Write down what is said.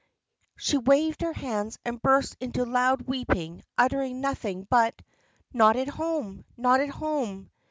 She waved her hands and burst into loud weeping, uttering nothing but: "Not at home! Not at home!"